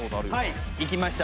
はい行きました。